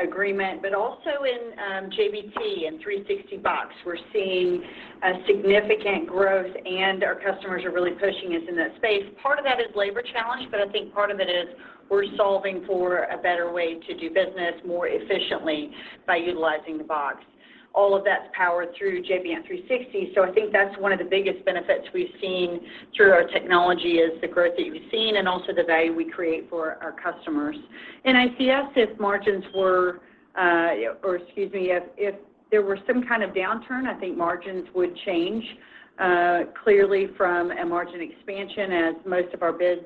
agreement. Also in JBT and J.B. Hunt 360box, we're seeing a significant growth, and our customers are really pushing us in that space. Part of that is labor challenge, but I think part of it is we're solving for a better way to do business more efficiently by utilizing the box. All of that's powered through J.B. Hunt 360, so I think that's one of the biggest benefits we've seen through our technology is the growth that we've seen and also the value we create for our customers. In ICS, if there were some kind of downturn, I think margins would change clearly from a margin expansion as most of our bids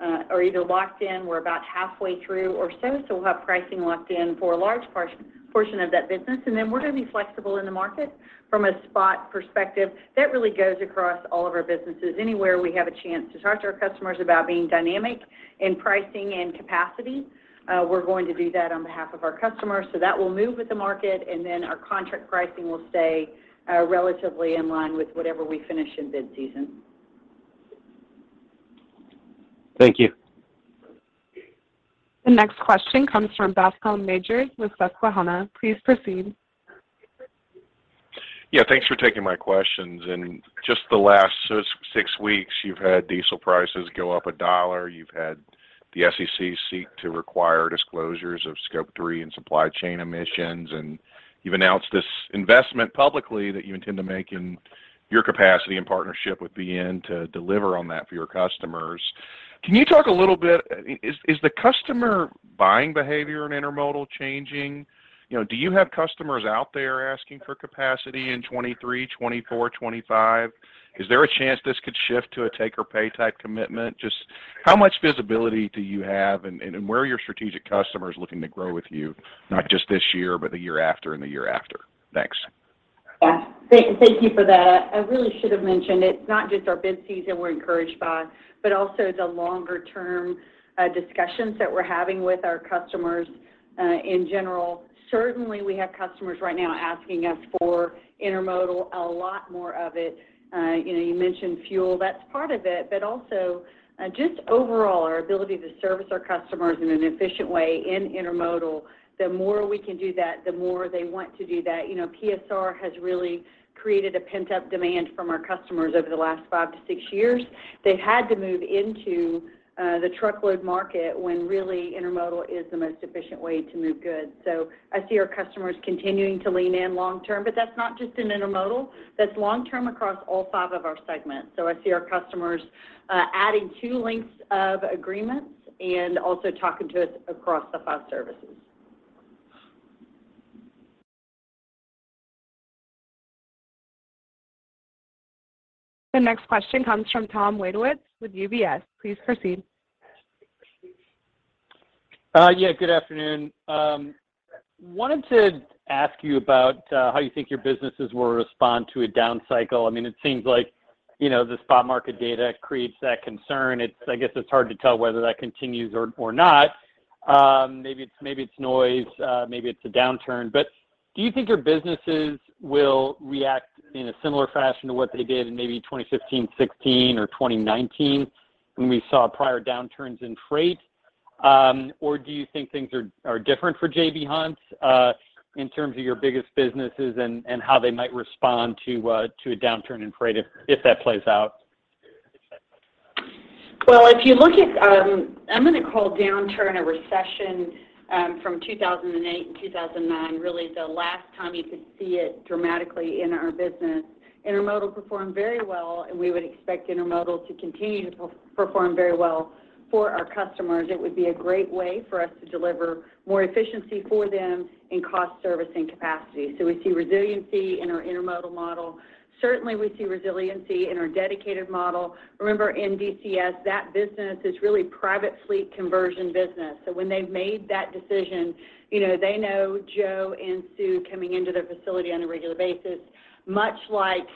are either locked in. We're about halfway through or so. We'll have pricing locked in for a large portion of that business, and then we're gonna be flexible in the market from a spot perspective. That really goes across all of our businesses. Anywhere we have a chance to talk to our customers about being dynamic in pricing and capacity, we're going to do that on behalf of our customers. That will move with the market, and then our contract pricing will stay relatively in line with whatever we finish in bid season. Thank you. The next question comes from Bascome Majors with Susquehanna. Please proceed. Yeah, thanks for taking my questions. In just the last six weeks, you've had diesel prices go up $1, you've had the SEC seek to require disclosures of Scope 3 and supply chain emissions, and you've announced this investment publicly that you intend to make in your capacity in partnership with BN to deliver on that for your customers. Can you talk a little bit, is the customer buying behavior in intermodal changing? You know, do you have customers out there asking for capacity in 2023, 2024, 2025? Is there a chance this could shift to a take or pay type commitment? Just how much visibility do you have and where are your strategic customers looking to grow with you, not just this year, but the year after and the year after? Thanks. Yeah. Thank you for that. I really should have mentioned it's not just our busy season we're encouraged by, but also the longer term discussions that we're having with our customers in general. Certainly, we have customers right now asking us for intermodal, a lot more of it. You know, you mentioned fuel. That's part of it, but also just overall our ability to service our customers in an efficient way in intermodal. The more we can do that, the more they want to do that. You know, PSR has really created a pent-up demand from our customers over the last five-six years. They've had to move into the truckload market when really intermodal is the most efficient way to move goods. I see our customers continuing to lean in long term, but that's not just in intermodal. That's long term across all five of our segments. I see our customers adding two lengths of agreements and also talking to us across the five services. The next question comes from Thomas Wadewitz with UBS. Please proceed. Yeah, good afternoon. Wanted to ask you about how you think your businesses will respond to a down cycle. I mean, it seems like, you know, the spot market data creates that concern. It's hard to tell whether that continues or not. Maybe it's noise, maybe it's a downturn. Do you think your businesses will react in a similar fashion to what they did in maybe 2015, 2016 or 2019 when we saw prior downturns in freight? Or do you think things are different for J.B. Hunt in terms of your biggest businesses and how they might respond to a downturn in freight if that plays out? Well, if you look at, I'm gonna call downturn a recession, from 2008 and 2009, really the last time you could see it dramatically in our business. Intermodal performed very well, and we would expect intermodal to continue to perform very well for our customers. It would be a great way for us to deliver more efficiency for them in cost, service, and capacity. We see resiliency in our intermodal model. Certainly, we see resiliency in our dedicated model. Remember in DCS, that business is really private fleet conversion business. When they've made that decision, you know, they know Joe and Sue coming into their facility on a regular basis, much like,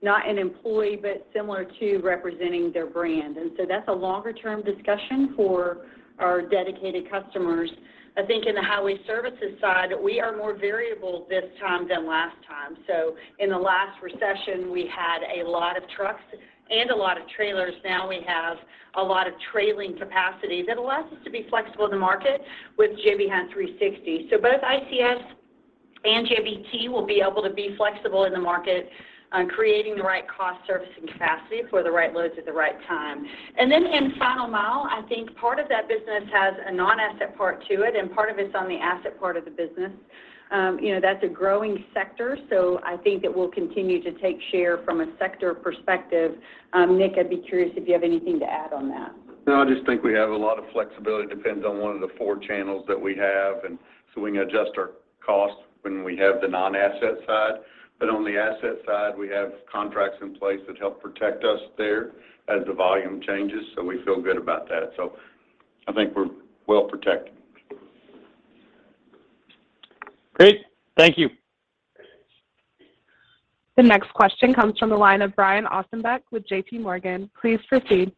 not an employee, but similar to representing their brand. That's a longer term discussion for our dedicated customers. I think in the Highway Services side, we are more variable this time than last time. In the last recession, we had a lot of trucks and a lot of trailers. Now we have a lot of trailer capacity that allows us to be flexible in the market with J.B. Hunt 360. Both ICS and JBT will be able to be flexible in the market on creating the right cost, service, and capacity for the right loads at the right time. Then in Final Mile, I think part of that business has a non-asset part to it, and part of it's on the asset part of the business. You know, that's a growing sector, so I think it will continue to take share from a sector perspective. Nick, I'd be curious if you have anything to add on that. No, I just think we have a lot of flexibility. It depends on one of the four channels that we have. We can adjust our cost when we have the non-asset side. On the asset side, we have contracts in place that help protect us there as the volume changes, so we feel good about that. I think we're well protected. Great. Thank you. The next question comes from the line of Brian Ossenbeck with J.P. Morgan. Please proceed.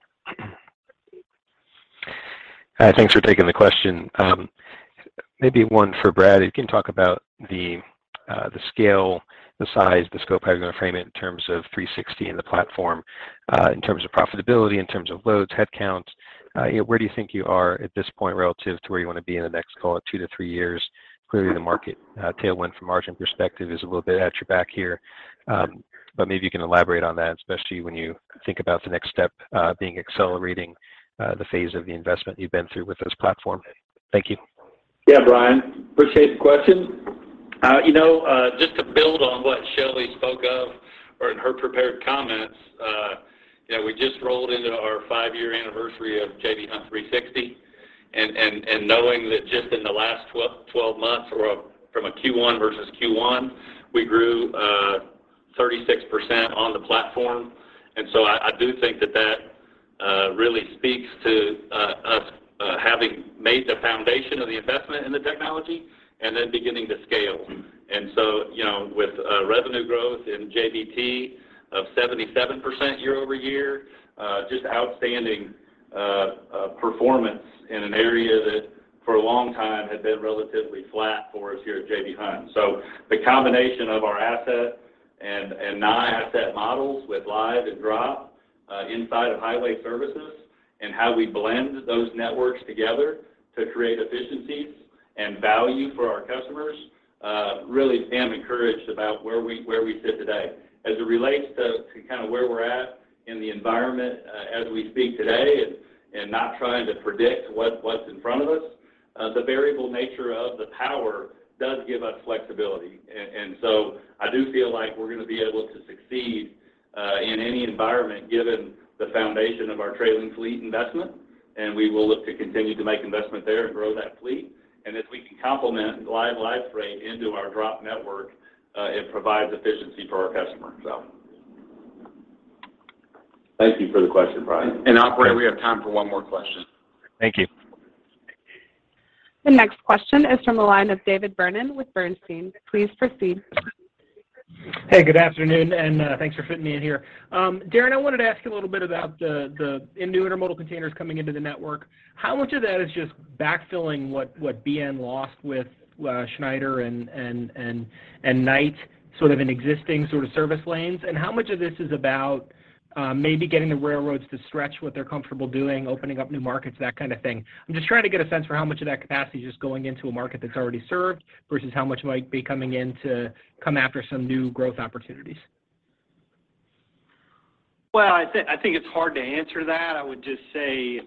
Hi. Thanks for taking the question. Maybe one for Brad. If you can talk about the scale, the size, the scope, how you're gonna frame it in terms of J.B. Hunt 360 and the platform, in terms of profitability, in terms of loads, headcount. You know, where do you think you are at this point relative to where you want to be in the next, call it, two to three years? Clearly, the market tailwind from margin perspective is a little bit at your back here. Maybe you can elaborate on that, especially when you think about the next step being accelerating the phase of the investment you've been through with this platform. Thank you. Yeah, Brian. Appreciate the question. You know, just to build on what Shelley spoke of or in her prepared comments, you know, we just rolled into our five-year anniversary of J.B. Hunt 360, and knowing that just in the last twelve months or from a Q1 versus Q1, we grew 36% on the platform. I do think that really speaks to us having made the foundation of the investment in the technology and then beginning to scale. You know, with revenue growth in JBT of 77% year-over-year, just outstanding performance in an area that for a long time had been relatively flat for us here at J.B. Hunt. The combination of our asset and non-asset models with live and drop Inside of Highway Services and how we blend those networks together to create efficiencies and value for our customers, I really am encouraged about where we sit today. As it relates to kinda where we're at in the environment, as we speak today and not trying to predict what's in front of us, the variable nature of the power does give us flexibility. I do feel like we're gonna be able to succeed in any environment given the foundation of our trailer fleet investment, and we will look to continue to make investment there and grow that fleet. If we can complement glide live freight into our drop network, it provides efficiency for our customers. Thank you for the question, Brian. Operator, we have time for one more question. Thank you. The next question is from the line of David Vernon with AllianceBernstein. Please proceed. Hey, good afternoon, and thanks for fitting me in here. Darren, I wanted to ask you a little bit about the new intermodal containers coming into the network. How much of that is just backfilling what BN lost with Schneider and Knight in existing service lanes? How much of this is about maybe getting the railroads to stretch what they're comfortable doing, opening up new markets, that kind of thing? I'm just trying to get a sense for how much of that capacity is just going into a market that's already served versus how much might be coming in to come after some new growth opportunities. Well, I think it's hard to answer that. I would just say,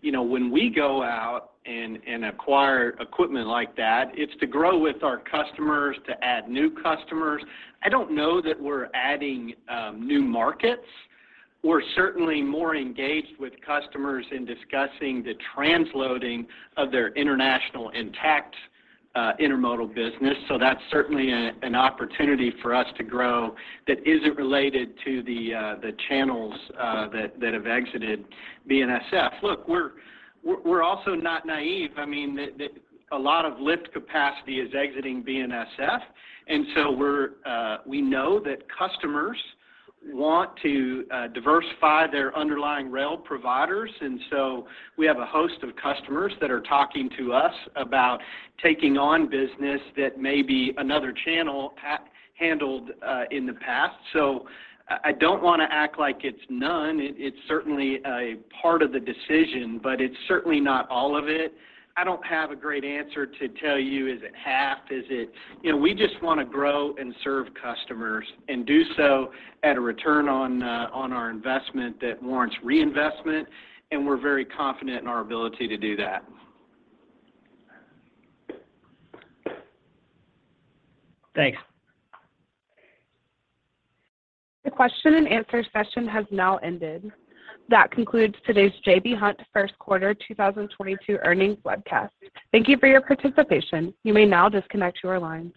you know, when we go out and acquire equipment like that, it's to grow with our customers, to add new customers. I don't know that we're adding new markets. We're certainly more engaged with customers in discussing the transloading of their international intact intermodal business. That's certainly an opportunity for us to grow that isn't related to the channels that have exited BNSF. Look, we're also not naive. I mean, a lot of lift capacity is exiting BNSF, and so we know that customers want to diversify their underlying rail providers. We have a host of customers that are talking to us about taking on business that maybe another channel handled in the past. I don't wanna act like it's none. It's certainly a part of the decision, but it's certainly not all of it. I don't have a great answer to tell you, is it half? Is it? You know, we just wanna grow and serve customers and do so at a return on our investment that warrants reinvestment, and we're very confident in our ability to do that. Thanks. The question and answer session has now ended. That concludes today's J.B. Hunt first quarter 2022 earnings webcast. Thank you for your participation. You may now disconnect your line.